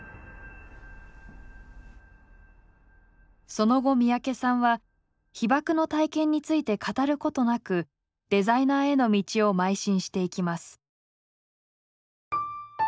その後三宅さんは被爆の体験について語ることなくデザイナーへの道をまい進していきます。